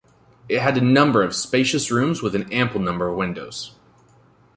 It had a number of spacious rooms with an ample number of windows.